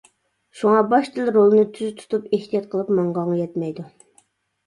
شۇڭا باشتىلا رولنى تۈز تۇتۇپ، ئېھتىيات قىلىپ ماڭغانغا يەتمەيدۇ.